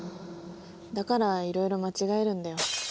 だからいろいろ間違えるんだよ。